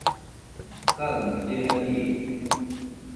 kaɨmo llera riide